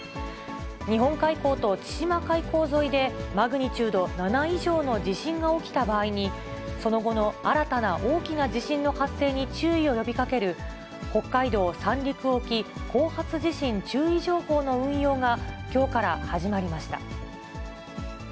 日本海溝と千島海溝沿いで、マグニチュード７以上の地震が起きた場合に、その後の新たな大きな地震の発生に注意を呼びかける、北海道・三陸沖後発地震注意情報の運用が、きょうから始まりました。